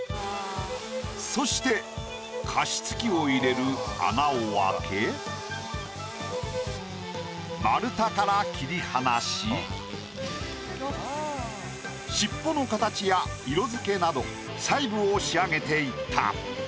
そして加湿器を入れる穴を開け丸太から切り離し尻尾の形や色付けなど細部を仕上げていった。